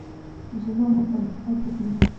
ژبه مو پرمختګ وکړي.